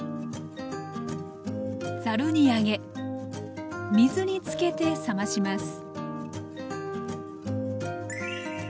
ざるに上げ水につけて冷まします